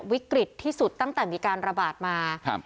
วิกฤตที่สุดตั้งแต่มีการระบาดมาครับ